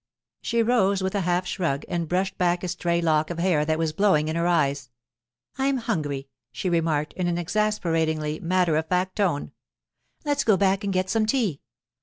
She rose with a half shrug and brushed back a stray lock of hair that was blowing in her eyes. 'I'm hungry,' she remarked in an exasperatingly matter of fact tone. 'Let's go back and get some tea.